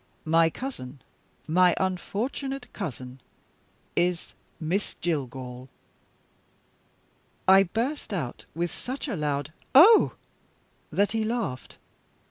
"My cousin, my unfortunate cousin, is Miss Jillgall." I burst out with such a loud "Oh!" that he laughed.